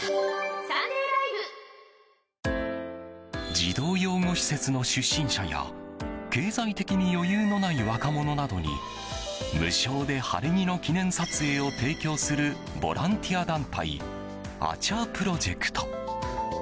児童養護施設の出身者や経済的に余裕のない若者などに無償で晴れ着の記念撮影を提供するボランティア団体ＡＣＨＡプロジェクト。